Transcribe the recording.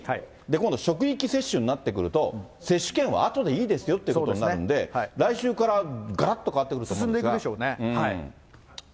今度、職域接種になってくると、接種券はあとでいいですよということなんで、来週から、がらっと進んでいくでしょうね。